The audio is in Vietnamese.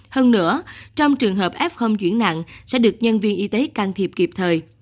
hơn nữa trong trường hợp f chuyển nặng sẽ được nhân viên y tế can thiệp kịp thời